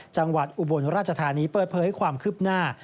จังหวัดอุบลราชธานีเปิดเพลย์ให้ความคึบหน้า